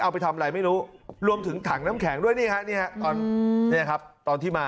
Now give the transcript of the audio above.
เอาไปทำอะไรไม่รู้รวมถึงถังน้ำแข็งด้วยนี่ครับตอนที่มา